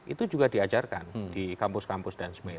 itu juga diajarkan di kampus kampus dan sebagainya